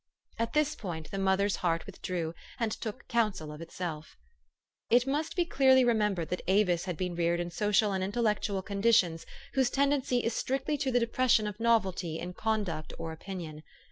At this point the mother's heart withdrew, and took counsel of itself. It must be clearly remembered that Avis had been reared in social and intellectual conditions whose THE STOKY OF AVIS. 449 tendency is strictly to the depression of novelty in conduct or opinion.